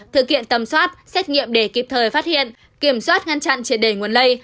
thực hiện tầm soát xét nghiệm để kịp thời phát hiện kiểm soát ngăn chặn triệt để nguồn lây